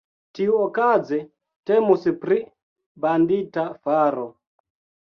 Tiuokaze, temus pri bandita faro.